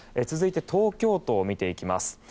続いて東京都を見ていきます。